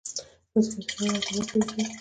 بایسکل چلول عضلات پیاوړي کوي.